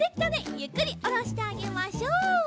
ゆっくりおろしてあげましょう。